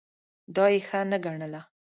دا یې ښه نه ګڼله.